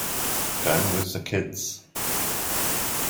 Down with the kids